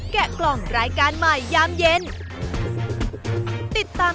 และต่อย่อดในความสนุก